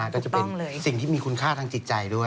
ก็จะเป็นสิ่งที่มีคุณค่าทางจิตใจด้วย